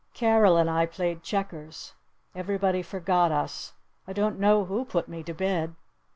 Carol and I played checkers. Everybody forgot us. I don't know who put me to bed.